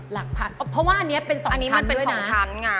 หลักพันเพราะว่าอันนี้เป็นสองชั้นด้วยนะ